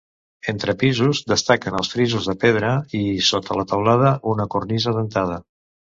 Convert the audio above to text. Entre pisos destaquen els frisos de pedra i, sota la teulada, una cornisa dentada.